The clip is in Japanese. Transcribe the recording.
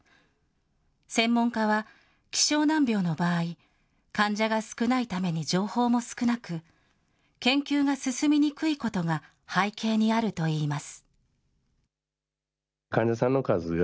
専門家は、希少難病の場合、患者が少ないために情報も少なく、研究が進みにくいことが背景にあるといいます。